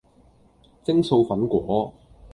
蒸素粉果